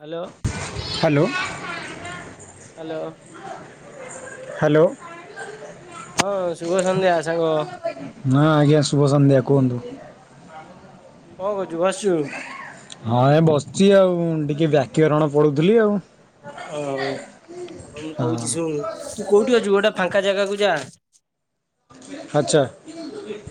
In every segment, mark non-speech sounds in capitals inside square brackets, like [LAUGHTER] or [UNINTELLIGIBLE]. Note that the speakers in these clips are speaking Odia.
Hello, hello hello. ହ୍ୟାଲୋ ହଁ ଶୁଭ ସନ୍ଧ୍ୟା, ସାଙ୍ଗ। ହଁ ଆଜ୍ଞା, ଶୁଭ ସନ୍ଧ୍ୟା କୁହନ୍ତୁ। କଣ କରୁଚୁ, ବସିଛୁ? ହଁ ଏ ବସିଛି ଆଉ ଟିକେ ବ୍ୟାକରଣ ପଢ଼ୁଥିଲି ଆଉ। ଓ ହଉ ହଉ ମୁଁ ହଁ। କହୁଛି ଶୁଣୁ ତୁ କୋଉଠି ଅଛୁ? ଗୋଟେ ଫାଙ୍କା ଜାଗାକୁୁ ଯା। ଆଚ୍ଛା।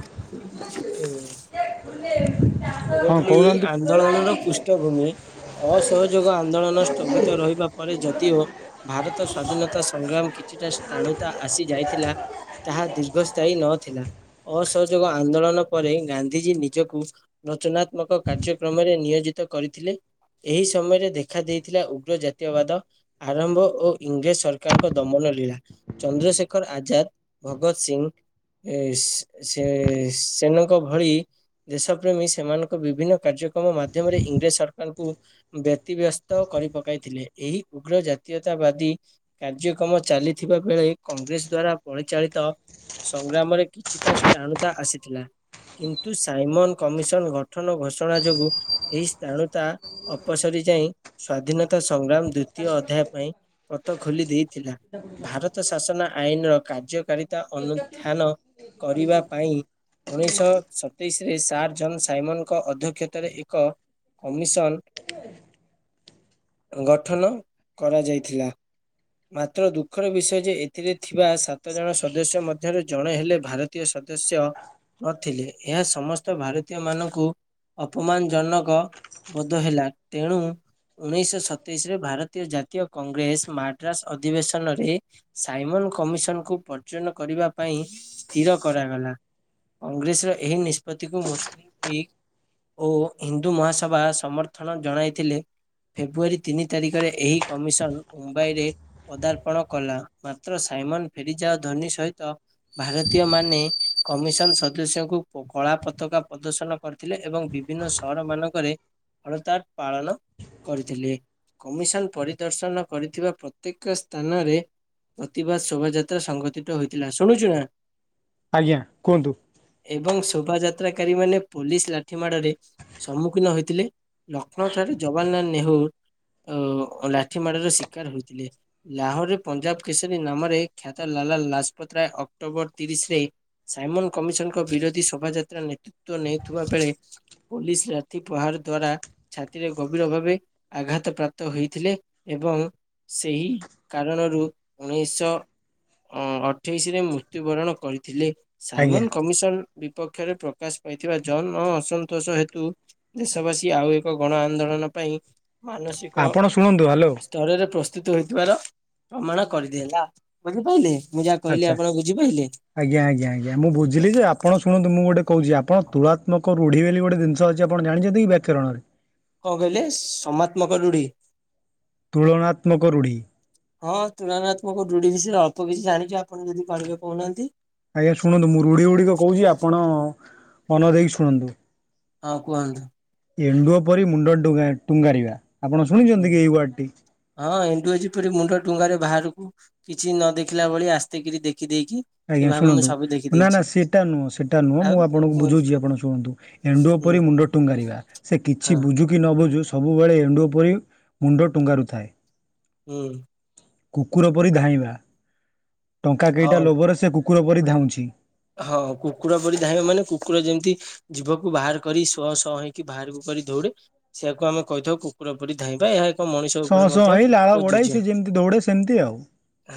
ହୁଁ। [INAUDIBLE] ମୁଁ କହୁଥିଲି କହୁନାହାନ୍ତି ଆନ୍ଦୋଳନର ପୃଷ୍ଠଭୂମି। ଅସହଯୋଗ ଆନ୍ଦୋଳନ ସ୍ଥଗିତ ରହିବା ପରେ ଯଦିଓ ଭାରତ ସ୍ଵାଧୀନତା ସଂଗ୍ରାମ କିଛିଟା ସ୍ଥାଣୁତା ଆସି ଯାଇଥିଲା ତାହା ଦୀର୍ଘସ୍ଥାୟୀ ନଥିଲା। ଅସହଯୋଗ ଆନ୍ଦୋଳନ ପରେ ଗାନ୍ଧିଜୀ ନିଜକୁ ରଚନାତ୍ମକ କାର୍ଯ୍ୟକ୍ରମରେ ନିୟୋଜିତ କରିଥିଲେ ଏହି ସମୟରେ ଦେଖା ଦେଇଥିଲା ଉଗ୍ର ଜାତୀୟବାଦ ଆରମ୍ଭ ଓ ଇଂରେଜ ସରକାରଙ୍କ ଦମନ ଲୀଳା। ଚନ୍ଦ୍ରଶେଖର ଆଜାଦ, ଭଗତ ସିଂହ ଏ ସ-ସେ-ସେନଙ୍କ ଭଳି ଦେଶ ସେମାନଙ୍କ ବିଭିନ୍ନ କାର୍ଯ୍ୟକ୍ରମ ମାଧ୍ୟମରେ ଇଂରେଜ ସରକାରଙ୍କୁ ବ୍ୟତିବ୍ୟସ୍ତ କରି ପକାଇଥିଲେ। ଏହି ଉଗ୍ର ଜାତୀୟତାବାଦୀ କାର୍ଯ୍ୟକ୍ରମ ଚାଲିଥିବା ବେଳେ କଂଗ୍ରେସ ଦ୍ଵାରା ପରିଚାଳିତ ସଂଗ୍ରାମରେ କିଛି ତା ସ୍ତାଣୁତା ଆସିଥିଲା। କିନ୍ତୁ ସାଇମନ କମିଶନ ଗଠନ ଘୋଷଣା ଯୋଗୁ ଏହି ସ୍ତାଣୁତା ଅପସରି ଯାଇ ସ୍ଵାଧୀନତା ସଂଗ୍ରାମ ଦି ଦ୍ୱିତୀୟ ଅଧ୍ୟାୟ ପାଇଁ ପତ ଖୋଲି ଦେଇଥିଲା। ଭାରତ ଶାସନ ଆଇନର କାର୍ଯ୍ୟ ତା ଅନୁଧ୍ୟାନ କରିବା ପାଇଁ ଉଣେଇଶଶହ ସତେଇଶରେ ସାତ ଜନ ସାଇମନଙ୍କ ଅଧ୍ୟକ୍ଷତାରେ ଏକ କମିଶନ [UNINTELLIGIBLE] ଗଠନ କରାଯାଇଥିଲା। ମାତ୍ର ଦୁଃଖର ବିଷୟ ଯେ ଏଥିରେ ଥିବା ସାତ ଜଣ ସଦସ୍ୟ ମଧ୍ୟରେ ଜଣେ ହେଲେ ଭାରତ ତୀୟ ସଦସ୍ୟ ନଥିଲେ। ଏହା ସମସ୍ତ ଭାରତ ତୀୟମାନଙ୍କୁ ଅପମାନ ଜନକ ବୋଧ ହେଲା। ତେଣୁ ଉଣେଇଶଶହ ସତେଇଶରେ ଭାରତୀୟ ଜାତୀୟ କଂଗ୍ରେସ ମାଡ୍ରାସ ଅଧିବେଶନରେ ସାଇମନ କମିଶନକୁ ପର୍ଯ୍ୟୟନ କରିବା ପାଇଁ ସ୍ଥିର କରାଗଲା। କଂଗ୍ରେସର ଏହି ନିଷ୍ପତ୍ତିକୁ ମୁସଲିମ ଲିଗ୍ ଓ ହିନ୍ଦୁ ମହାସଭା ସମର୍ଥନ ଜଣାଇଥିଲେ। ଫେବୃଆରୀ ତିନି ତାରିଖରେ ଏହି କମିଶନ ମୁମ୍ବାଇରେ ପଦାର୍ପଣ କଲା। ମାତ୍ର ସାଇମନ ଫେରିଯାଅ ଧୋନି ସହିତ ଭାରତୀୟମାନେ କମିଶନ ସଦସ୍ୟଙ୍କୁ କଳା ପତାକା ପ୍ରଦର୍ଶନ କରିଥିଲେ ଏବଂ ବିଭିନ୍ନ ସହର ମାନଙ୍କରେ ହଳତା ପାଳନ କରିଥିଲେ। କମିଶନ ପରିଦର୍ଶନ କରିଥିବା ପ୍ରତ୍ୟେକ ସ୍ଥାନରେ ପ୍ରତିବାଦ ଶୋଭାଯାତ୍ରା ସଂଗଠିତ ହୋଇଥିଲା ଶୁଣୁଛୁ ନା। ଆଜ୍ଞା କୁହନ୍ତୁ। ଏବଂ ଶୋଭାଯାତ୍ରାକାରୀ ମାନେ ପୋଲିସ ଲାଠି ମାଡରେ ସମ୍ମୁଖୀନ ହୋଇଥିଲେ। ଲକ୍ଷ୍ନୌ ଥାରେ ଜବାହରଲାଲ ନେହୁର ଓ ଲାଠି ମାଡ଼ ର ଶିକାର ହୋଇଥିଲେ। ଲାହୋରରେ ପଞ୍ଜାବ କେଶରୀ ନାମରେ ଖ୍ୟାତ ଲାଲା ଲାଜପତ ରାୟ ଅକ୍ଟୋବର ତିରିଶରେ ସାଇମନ କମିଶନଙ୍କ ବିରୋଧୀ ଶୋଭାଯାତ୍ରା ନେତୃତ୍ୱ ନେଉଥିବା ବେଳେ ପୋଲିସ ଲାଠି ପ୍ରହାର ଦ୍ଵାରା। ଛାତିରେ ଗଭୀର ଭାବେ ଆଘାତ ପ୍ରାପ୍ତ ହୋଇଥିଲେ ଏବଂ ସେହି କାରଣରୁ ଉଣେଇଶହ। ଅଠେଇଶରେ ମୃତ୍ୟୁବରଣ କରିଥିଲେ ଆଜ୍ଞା ସାଇମନ କମିଶନ ବିପକ୍ଷରେପ୍ର ପ୍ରକାଶ ପାଇଥିବା ଜନ ଅସନ୍ତୋଷ ହେତୁ ଦେଶବାସୀ ଆଉ ଏକ ଗଣ ଆନ୍ଦୋଳନ ପାଇଁ ମାନସିକ ଆପଣ ଶୁଣନ୍ତୁ ହ୍ୟାଲୋ। ସ୍ତରରେ ପ୍ରସ୍ତୁତ ହେଥିବାର ପ୍ରମାଣ କରିଦେଇଲା ବୁଝିପାରିଲେ। ମୁଁ ଯାହା କହିଲି ଆଛା ଆପଣ ବୁଝିପାରିଲେ ଆଜ୍ଞା ଆଜ୍ଞା ମୁଁ ବୁଝିଲି ଯେ ଆପଣ ଶୁଣନ୍ତ ମୁଁ ଗୋଟେ କହୁଛି ଆପଣ ତୁଳାତ୍ମକ ରୂଢି ବୋଲି ଗୋଟେ ଜିନିଷ ଅଛି ଜାଣିଛନ୍ତି କି ବ୍ୟାକରଣରେ? କଣ କହିଲେ ସମାତ୍ମକ ରୁଢ଼ି? ତୁଳନାତ୍ମକ ରୂଢ଼ି ହଁ ତୁଳନାତ୍ମକ ରୃଢି ବିଷୟରେ ଅଳ୍ପ କିଛି ଜାଣିଛ ଆପଣ ଯଦି କହିବେ କହୁନାହାନ୍ତି। ଆଜ୍ଞା ଶୁଣନ୍ତୁ ମୁଁ ରୂଢି ଗୁଡିକ କହୁଛି ଆପଣ ମନ ଦେଇକି ଶୁଣନ୍ତୁ ହଁ କୁହନ୍ତୁ। ଏଣ୍ଡୁଅ ପରି ମୁଣ୍ଡ ଟୁଙ୍ଗାରିବା ଆପଣ ହୁଁ ଶୁଣିଛନ୍ତି କି ଏଇ ୱାର୍ଡଟି? ହଁ ଏଣ୍ଡୁ ଏ ଯେପରି ମୁଣ୍ଡ ଡୁଙ୍ଗାରେ ବାହାରକୁ କିଛି ନ ଦେଖିଲା ଭଳି ଆସ୍ତେକିରି ଦେଖିଦେଇକି? ଆଜ୍ଞା ଶୁଣନ୍ତୁ ନା ନା ସେଟା ନୁହଁ ସେଟା ନୁହଁ ଆଉ ମୁଁ ଆପଣଙ୍କୁ କୁହନ୍ତୁ ବୁଝୁଛି ଆପଣ ଶୁଣନ୍ତୁ। ଏଣ୍ଡୁଅ ହୁଁ ପରି ମୁଣ୍ଡ ଟୁଙ୍ଗାରିବା ସେ ହଁ କିଛି ବୁଝୁ କି ନ ବୁଝୁ ସବୁବେଳେ ଏଣ୍ଡୁ ପରି ମୁଣ୍ଡ ଟୁଙ୍ଗାରୁଥାଏ। ହୁଁ କୁକୁର ପରି ଧାଇଁବା ଟଙ୍କା କେଇଟା ହଁ ଲୋଭରେ ସେ କୁକୁର ପରି ଧାଉଁଛି। ହଁ କୁକୁର ପରି ଧାଇଁବା ମାନେ କୁକୁର ଯେମିତି ଜୀଭକୁ ବାହାର କରି ଶହ ଶହ ହେଇକି ବାହାରକୁ କରି ଦୌଡେ। ସେଇଆକୁ ଆମେ କହିଥାଉ, କୁକୁର ପରି ଧାଇଁବା। ଏହ ସଁ, ସଁ ହେଇ ଲାଳ ଗୋଡାଇ ସେ ଯେମିତି ଦୌଡେ ସେମିତି ଆଉ।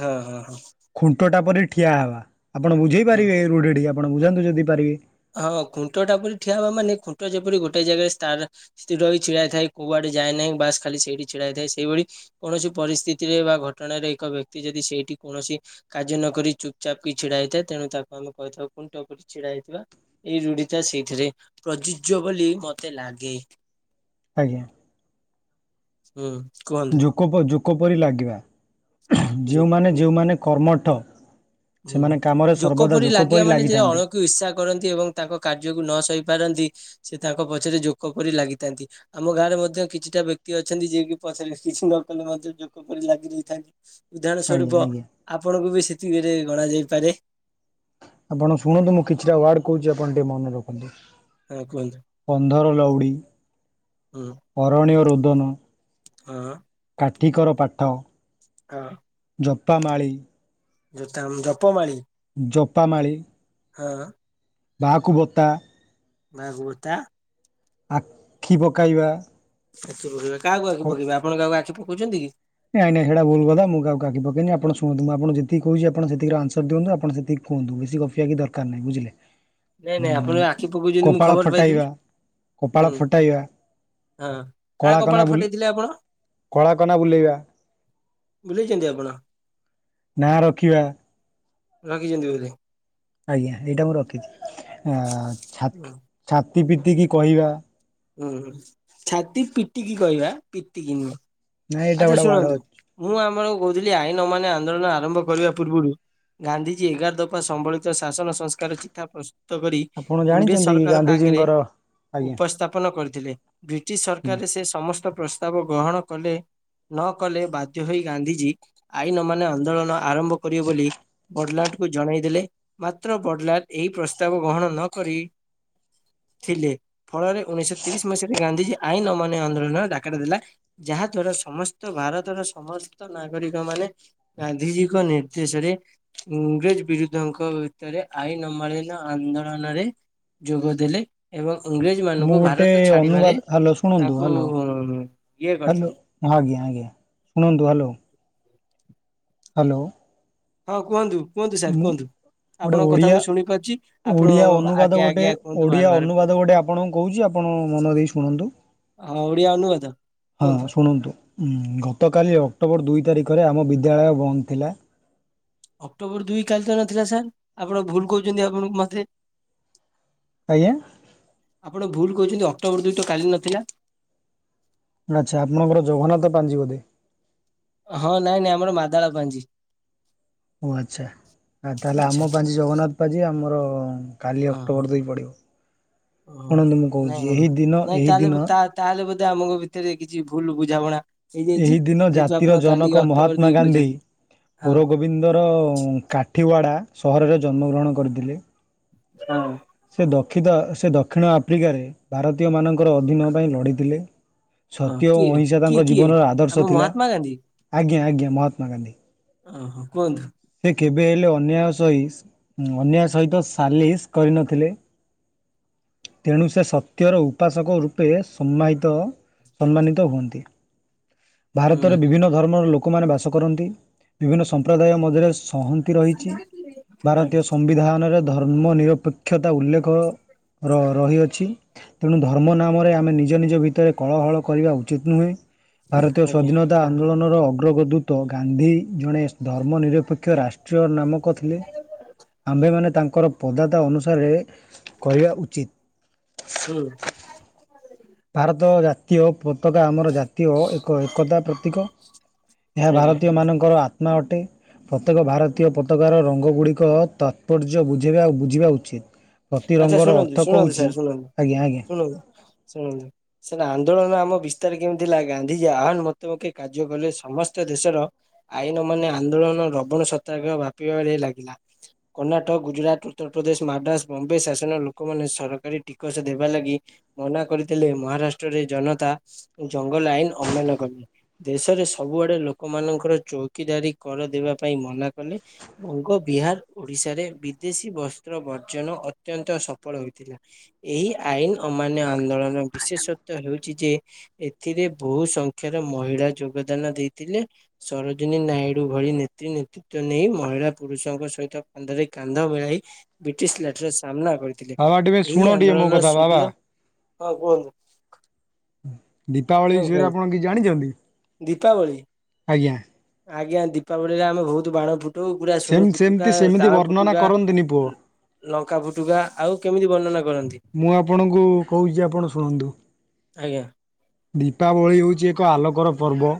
ହଁ ହଁ ହଁ ଖୁଣ୍ଟଟା ପରି ଠିଆ ହେବା। ଆପଣ ବୁଝେଇ ହୁଁ। ପାରିବେ ରୂଢ଼ିଟିି ଆପଣ ବୁଝାନ୍ତୁ ଯଦି ପାରିବେ। ହଁ ଖୁଣ୍ଟ ଟା ପରି ଠିଆ ହବା ମାନେ? ଖୁଣ୍ଟ ଯେପରି ଗୋଟେ ଜାଗାରେ ତାର ସ୍ଥିର ହୋଇ ଛିଡ଼ା ହେଇଥାଏ କୁଆଡେ ଯାଏ ନାହିଁ। ବାସ୍ ଖାଲି ସେଇଠି ଛିଡ଼ା ହେ ଥାଏ ସେଇଭଳି। କୌଣସି ପରିସ୍ଥିତିରେ, ବା ଘଟଣାରେ ଏକ ବ୍ୟକ୍ତି ଯଦି ସେଇଠି କୌଣସି କାର୍ଯ୍ୟ ନକରି ଚୁପ, ଚାପ୍ କି ଛିଡା ହେଇଥାଏ ତେଣୁ ତାକୁ ଆମେ କହିଥାଉ ଖୁଣ୍ଟ ପରି ଛିଡା ହେଇଥିବା। ଏଇ ରୂଢିତା ସେଇଥିରେ ପ୍ରଯୁଜ୍ୟ ବୋଲି ମତେ ଲାଗେ। ଆଜ୍ଞା। ହୁଁ କୁହନ୍ତୁ? କୋପ, ଯୋକ ପରି ଲାଗିବା ଯେଉମାନେ ଯୋ ଯେଉମାନେ କର୍ମଠ ହୁଁ ସେମାନେ କାମରେ ଜୋକ ସର୍ବଦା ପରି ଲାଗିବା ମାନେ ଯେ ଲାଗିଥାନ୍ତି ଅଣ ଇର୍ଷା କରନ୍ତି, ଏବଂ ତାଙ୍କ କାର୍ଯ୍ୟକୁ ନ ସହି ପାରନ୍ତି। ସେ ତାଙ୍କ ପଛରେ ଜୋକ ପରି ଲାଗିଥାନ୍ତି। ଆମ ଗାଁରେ ମଧ୍ୟ କିଛିଟା ବ୍ୟକ୍ତି ଅଛନ୍ତି ଯିଏକି ପଛରେ କିଛି ନ କଲେ, ମଧ୍ୟ ଜୋକ ପରି ଲାଗି ରହିଥାଏ। ଉଦାହରଣ ଆଜ୍ଞା ସ୍ୱରୂପ, ଆଜ୍ଞା। ଆପଣଙ୍କୁ ବି ସେତିକିରେ ଗଣାଯାଇପାରେ। ଆପଣ ଶୁଣନ୍ତୁ, ମୁଁ କିଛିଟା ୱାର୍ଡ କହୁଛି, ଆପଣ ଟିକେ ମନେ ରଖନ୍ତୁ। ହଁ କୁହନ୍ତୁ ଅନ୍ଧର ଲଉଡ଼ି, ଅରଣୀୟ ରୋଦନ ଆଁ କାଠିକର ପାଠ। ଅଁ। ଜପା ମାାଳି। ଜୋତାମ୍ ଜପମାଳି ଜପାମାଳି। ହଁ। ବାଆକୁ ବତା। ବାଆକୁବତା! ଆଖି ପକାଇବା। କାହାକୁ ଆଖି ପକେଇବା, ଆପଣ କାହାକୁ ଆଖି ପକଉଛନ୍ତି କି? ନାଇଁ, ନାଇଁ ହେଡା ଭୁଲ୍ କଥା। ମୁଁ କହାକୁ ଆଖି ପକେଇଁନି। ଆପଣ ଶୁଣନ୍ତୁ ମୁ, ଆପଣକୁ ଯେତିକି କହୁଚି ଆପଣ ସେତିକି ର ଆନ୍ସର ଦିଅନ୍ତୁ। ଆପଣ ସେତିକ୍ କୁହନ୍ତୁ, ବେଶୀ ଗପିବା ବି ଦରକାର ନାହିଁ, ବୁଝିଲେ! ନାଇଁ, ନାଇଁ ଆପଣ ଆଖି ପକଉଚନ୍ତି, ମୁଁ କପାଳ ଖବର ପାଇଥିଲି? ଫଟାଇବା, କପାଳ ହୁଁ। ଫଟାଇବା, ହଁ, କା କଳାକନା କପାଳ ବୁଲ ଫଟେଇଥିଲେ ଆପଣ? କଳାକନା ବୁଲେଇବା, ଭୁଲିଯାଇଛନ୍ତି ଆପଣ? ନାଁ ରଖିବା। ରଖିଛନ୍ତି ବୋଧେ! ଆଜ୍ଞା, ଏଇଟା ମୁଁ ରଖିଛି। ଆଁ ହୁଁ ଛା-ଛାତି ପିତି କିି କହିବା। ହୁଁ, ହୁଁ, ଛାତି ପିଟିକି କହିବା ପିତିକି ନୁହଁ। ନାଇଁ ଏଇଟା ଆଚ୍ଛା, ଗୋଟେ ୱାର୍ଡ ଶୁଣନ୍ତୁ ଅଛି ମୁଁ ଆମର କହୁଥିଲି, ଆଇନ ଅମାନ୍ୟ ଆନ୍ଦୋଳନ ଆରମ୍ଭ କରିବା ପୂର୍ବୁରୁ ଗାନ୍ଧିଜୀ ଏଗାର ଦଫା ସମ୍ବଳିତ ଶାସନ ସଂସ୍କାର ଚିଠା ପ୍ରସ୍ ତ କରି, ଆପଣ ଇଂରେଜ ଜାଣିଛନ୍ତି କି ସରକାରଙ୍କ ଆଗରେ ଗାନ୍ଧିଜୀଙ୍କର ଆଜ୍ଞା ଉପସ୍ଥାପନ କରିଥିଲେ। ବ୍ରିଟିଶ ସରକାରରେ, ସେ ସମସ୍ତ ପ୍ରସ୍ତାବ ଗ୍ରହଣ କଲେ। ନ କଲେ ବାଧ୍ୟ ହୋଇ ଗାନ୍ଧୀଜୀ, ଆଇନ ଅମାନ୍ୟ ଆନ୍ଦୋଳନ ଆରମ୍ଭ କରିବେ ବୋଲି ବଡଲାଟ୍ କୁ ଜଣାଇ ଦେଲେ। ମାତ୍ର ବଡଲାଟ୍ ଏହି ପ୍ରସ୍ତାବ ଗ୍ରହଣ ନ କରି ଥିଲେ, ଫଳରେ ଉଣେଇଶହ ତିରିଶ ମସିହାରେ ଗାନ୍ଧିଜୀ ଆଇନ ଅମାନ୍ୟ ଆନ୍ଦୋଳନର ଡାକରା ଦେଲା। ଯାହା ଦ୍ଵାରା ସମସ୍ତ ଭାରତର, ସମସ୍ତ ନାଗରିକ ମାନେ ଗାନ୍ଧିଜୀକ ନିର୍ଦ୍ଦେଶରେ ଇଂରେଜ ବିରୁଦ୍ଧଙ୍କ ଭିତରେ ଆଇନ ଅମାଳିନ ଆନ୍ଦୋଳନରେ ଯୋଗ ଦେଲେ। ଏବଂ ଇଂରେଜ ମୁଁ ମାନଙ୍କୁ, ଗୋଟେ ଭାରତ ଛାଡ଼ିବାରେ ଅନୁବାଦ ହ୍ୟାଲୋ ଶୁଣନ୍ତୁ ହ୍ୟାଲୋ ତାଙ୍କୁ-ଉଁ ଇଏ ହ୍ୟାଲୋ କରିଥିଲେ। ଆଜ୍ଞା, ଆଜ୍ଞା, ଶୁଣନ୍ତୁ। Hello hello. ହଁ, କୁହନ୍ତୁ, କୁହନ୍ତୁ ସାର୍ ମୁଁ କୁହନ୍ତୁ। ଗୋଟେ ଆପଣଙ୍କ କଥା ଓଡ଼ିଆ ମୁଁ ଶୁଣି ପାରୁଛି। ଆପଣ ଓଡ଼ିଆ ଅନୁବାଦ ଆଜ୍ଞା, ଗୋଟେ ଆଜ୍ଞା, କୁହନ୍ତୁ ଓଡ଼ିଆ ବାର ବାର। ଅନୁବାଦ ଗୋଟେ ଆପଣଙ୍କୁ କହୁଛି, ଆପଣ ମନ ଦେଇ ଶୁଣନ୍ତୁ। ହଁ, ଓଡିଆ ଅନୁବାଦ, କୁହନ୍ତୁ। ଉଁ, ଗତକାଲି ଅକ୍ଟୋବର ଦୁଇ ତାରିଖରେ ଆମ ବିଦ୍ୟାଳୟ ବନ୍ଦ ଥିଲା। ଅକ୍ଟୋବର ଦୁଇ କାଲି ତ ନଥିଲା ସାର୍। ଆପଣ ଭୁଲ୍ କହୁଛନ୍ତି ଆପଣ ମତେ। ଆଜ୍ଞା। ଆପଣ ଭୁଲ କହିଛନ୍ତି, ଅକ୍ଟୋବର ଦୁଇ ତ କାଲି ନଥିଲା। ଆଚ୍ଛା, ଆପଣଙ୍କର ଜଗନ୍ନାଥ ପାଞ୍ଜି ବୋଧେ? ହଁ ନାଇଁ ନାଇଁ ଆମର ମାଦାଳ ପାଞ୍ଜି। ଓ, ଆଚ୍ଛା ଆ, ତାହେଲେ ଆଚ୍ଛା ଆମ ପାଞ୍ଜି ଜଗନ୍ନାଥ ପାଞ୍ଜି ଆମର କାଲି ଓହୋ ଅକ୍ଟୋବର ଦୁଇ ପଡ଼ିବ, ଓହୋ ଶୁଣନ୍ତୁ ମୁଁ ନାଇଁ କହୁଛି, ନାଇଁ ଏହି ଦିନ ନାଇଁ ଏହି ତାହେଲେ ବୋ- ଦିନ ତା ତାହେଲେ ବୋଧେ ଆମଙ୍କ ଭିତରେ କିଛି ଭୁଲ୍ ବୁଝାବଣା ଏହି ଦିନ ଜାତିର ଜନକ ମହାତ୍ମା ଦୁଇ ଗାନ୍ଧୀ କହିଛନ୍ତି ହଁ ପରବ ଇନ୍ଦର କାଠିୱାଡ଼ା ସହରରେ ଜନ୍ମଗ୍ରହଣ କରିଥିଲେ। ହଁ। ସେ ଦକ୍ଷିତ, ସେ ଦକ୍ଷିଣ ଆଫ୍ରିକାରେ ଭାରତୀୟମାନଙ୍କର ଅଧୀନ ପାଇଁ ଲଢ଼ିଥିଲେ। ହଁ ସତ୍ୟ ଓ କିଏ ଅହିଂସା କିଏ ତାଙ୍କ କିଏ ଜୀବନର ଆମ ଆଦର୍ଶ ଥିଲା। ମହାତ୍ମା ଗାନ୍ଧୀ ଆଜ୍ଞା, ଆଜ୍ଞା ମହାତ୍ମା ଗାନ୍ଧୀ। ଓ ହୋ, କୁହନ୍ତୁ। ସେ କେବେ ହେଲେ ଅନ୍ୟାୟ ସହି ଉଁ, ଅନ୍ୟାୟ ସହିତ ସାଲିସ୍ କରିନଥିଲେ। ତେଣୁ ସେ ସତ୍ୟର ଉପାସକ ରୂପେ ସମ୍ମାହିତ ସମ୍ମାନିତ ହୁଅନ୍ତି। ହୁଁ ଭାରତରେ ଆଜ୍ଞା ବିଭିନ୍ନ ଧର୍ମର ଲୋକମାନେ ବାସ କରନ୍ତି। ବିଭିନ୍ନ ସମ୍ପ୍ରଦାୟ ମଧ୍ୟରେ ସଂହ ତି ରହିଛି, ଭାରତୀୟ ଆଜ୍ଞା ସମ୍ବିଧାନରେ ଧର୍ମ ନିରପେକ୍ଷତା ଉଲ୍ଲେଖ ର ରହିଅଛି। ତେଣୁ ଧର୍ମ ନାମରେ ଆମେ ନିଜ ନିଜ ଭିତରେ କଳହଳ କରିବା ଉଚିତ ନୁହେଁ। ଭାରତୀୟ ଆଜ୍ଞା, ସ୍ବାଧୀନତା ଆନ୍ଦୋଳନର ଅଗ୍ରଗଦୂତ ଗାନ୍ଧୀ ଜଣେ ଧର୍ମ ନିର ପକ୍ଷ ରାଷ୍ଟ୍ରୀୟ ନାମକ ଥିଲେ। ଆମ୍ଭେମାନେ ତାଙ୍କର ପଦାତ ଅନୁସାରେ କରିବା ଉଚିତ୍। ହୁଁ। ଭାରତ ଜା ଜାତୀୟ ପତାକା ଆମର ଜାତୀୟ ଏକ ଏକତା ପ୍ରତୀକ। ଏହା ଆଜ୍ଞା ଭାରତୀୟମାନଙ୍କର ଆ ନ ଅଟେ ପ୍ରତ୍ୟେକ ଭାରତୀୟ ପ ତକାର ରଙ୍ଗଗୁଡ଼ିକ ତାତ୍ପର୍ଯ୍ୟ ବୁଝେଇବା ବୁଝିବା ଉଚିତ୍। ପ୍ରତି ଆଚ୍ଛା ରଙ୍ଗର ଅର୍ଥ କହୁଛି ଆଜ୍ଞା ଆଜ୍ଞା ଲ ଶୁଣନ୍ତୁ। ସେନା ଆନ୍ଦୋଳନ ଆମ ବିସ୍ତାର କେମିତି ଥିଲା ଗାନ୍ଧିଜୀ ଆହ୍ୱାନ ମତମକେ କାର୍ଯ୍ୟ କଲେ ସମସ୍ତ ଦେଶର ଆଇନ ଅମାନ୍ଯ ଆନ୍ଦୋଳନ ଲବଣ ସତ୍ୟାଗ୍ରହ ବ୍ୟାପିବାରେ ଲାଗିଲା। କର୍ଣ୍ଣାଟକ, ଗୁଜୁରାଟ, ଉତ୍ତରପ୍ରଦେଶ, ମାଣ୍ଡ୍ରାସ ବମ୍ବେ ଶାସନ ଲୋକମାନେ ସରକାରୀ ଟିକସ ଦେବା ଲାଗି ମନା କରିଥିଲେ, ମହାରାଷ୍ଟ୍ରରେ ଜନତା ଜଙ୍ଗଲ ଆଇନ ଅମାନ୍ଯ କଲେ। ଦେଶରେ ସବୁଆଡେ ଲୋକମାନଙ୍କର ଚୌକିଦାରି କରଦବା ପାଇଁ ମନା କଲେ। ବଙ୍ଗ, ବିହାର, ଓଡିଶାରେ ବିଦେଶୀ ବସ୍ତ୍ର ବର୍ଜନ ଅତ୍ୟନ୍ତ ସଫଳ ହୋଇଥିଲା। ଏହି ଆଇନ ଅମାନ୍ୟ ଆନ୍ଦୋଳନ ବିଶେଷତ୍ବ ହେଉଛି ଯେ ଏଥିରେ ବହୁ ସଂଖ୍ୟାର ମହିଳା ଯୋଗଦାନ ଦେଇଥିଲେ। ସରୋଜିନୀ ନାଇଡୁ ଭଳି ନେତ୍ରୀ ନେତି ତ ନେଇ ମହିଳା ପୁରୁଷଙ୍କ ସହିତ କାନ୍ଧରେ କାନ୍ଧ ମିଳାଇ ବ୍ରିଟିଶ୍ ଲାଠିର ସାମ୍ନା କରି ଥିଲେ, ବାବା ଟିକେ ଶୁଣ ଏହି ଟିକେ ମୋ ଆନ୍ଦୋଳନ କଥା ବାବା ସୁଦୂର ହଁ କୁହନ୍ତୁ ଦୀପାବଳି ହଁ ବିଷୟରେ କୁହନ୍ତୁ ଆପଣ କିଛି ଜାଣିଚନ୍ତି? ଦୀପାବଳି ଆଜ୍ଞା ଦୀପାବଳିରେ ଆମେ ବହୁତୁ ବାଣ ଫୁ ଟଉ ପୁରା ସେମ ସେମିତି ସୁନୁଫୁଟୁକା, ସେମିତି ବର୍ଣ୍ଣନା ତାଳଫୁଟୁକା କରନ୍ତୁନି ପୁଅ। ଲଙ୍କାଫୁଟୁକା -ଆଉ କେମିତି ବର୍ଣ୍ଣନା କରନ୍ତି? ମୁଁ ଆପଣଙ୍କୁ କହୁଚି ଆପଣ ଶୁଣନ୍ତୁ। ଆଜ୍ଞା ଦୀପାବଳି ହଉଚି ଏକ ଆଲୋକର ପର୍ବ।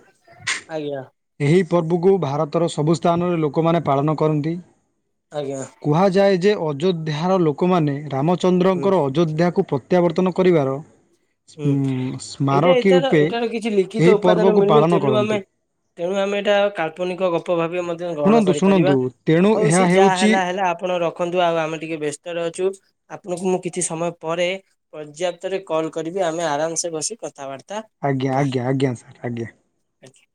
ଆଜ୍ଞା ଏହି ପର୍ବକୁ ଭାରତର ସବୁ ସ୍ଥାନରେ ଲୋକମାନେ ପାଳନ କରନ୍ତି। ଆଜ୍ଞା। କୁହାଯାଏ ଯେ ଅଯୋଧ୍ୟାର ଲୋକମାନେ ହୁଁ ରାମଚନ୍ଦ୍ରଙ୍କର ଅଯୋଧ୍ୟା କୁ ପ୍ର ପ୍ରତ୍ୟାବର୍ତ୍ତନ କରିବାର ହୁଁ ସ୍ମ ଏଇଟା ସ୍ମାରକୀ ଏଟାର ରୂପେ -ଏଟାର କିଛି ଏହି ଲିଖିତ ଉପାଦାନ ପର୍ବକୁ ମିଳୁନି ପାଳନ ତେଣୁ କରନ୍ତି। ଆମେ ତେଣୁ ଆମେ ଏଟା କାଳ୍ପନିକ ଗପ ଭାବେ ମ ମଧ୍ୟ ଗ୍ରହଣ ଶୁଣନ୍ତୁ କରିପାରିବା ଶୁଣନ୍ତୁ ତେଣୁ ହଉ ଏହା ସେ ଯାହା ହେଉଛି ହେଲା ହେଲା ଆପଣ ର ନ୍ତୁ ଆଉ ଆମେ ଟିକେ ବ୍ୟସ୍ତରେ ଅଛୁ ଆପଣଙ୍କୁ ମୁଁ କିଛି ସମୟ ପରେ ପର୍ଯାପ୍ତରେ କଲ୍ କରିବି ଆମେ ଆରାମ୍ ସେ ବସି କଥାବାର୍ତ୍ତା ଆଜ୍ଞ -ଆଜ୍ଞା- ଆଜ୍ଞା -ସାର୍ ଆଜ୍ଞା। ଆଜ୍ଞା।